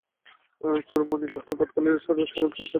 চুড়োমণি ঘটক ঘটকালির স্বরূপ তিন শত টাকা ও একটা শাল পাইয়াছে।